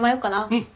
うん。